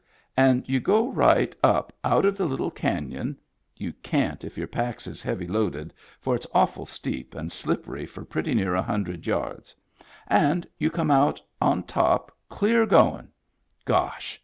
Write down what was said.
And you go right up out of a little canyon (you can't if your packs is heavy loaded, for it's awful steep and slippery for pretty near a hundred yards) and you come out on top clear going — gosh